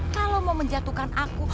kalau mau menjatuhkan aku